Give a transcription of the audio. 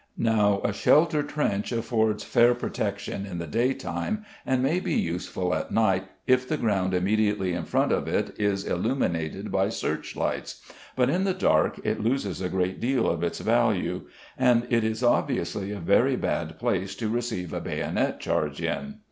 Now a shelter trench affords fair protection in the day time and may be useful at night if the ground immediately in front of it is illuminated by searchlights, but in the dark it loses a great deal of its value, and it is obviously a very bad place to receive a bayonet charge in.